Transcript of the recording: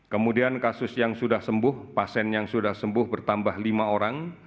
kemudian kasus yang sudah sembuh pasien yang sudah sembuh bertambah lima orang